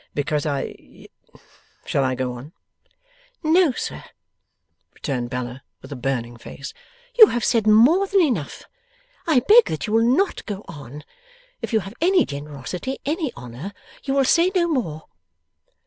Because I shall I go on?' 'No, sir,' returned Bella, with a burning face, 'you have said more than enough. I beg that you will NOT go on. If you have any generosity, any honour, you will say no more.